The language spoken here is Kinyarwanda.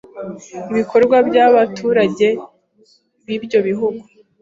ibikorwa by'abaturage bibyo bihugu